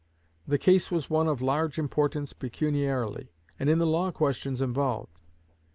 The case was one of large importance pecuniarily, and in the law questions involved.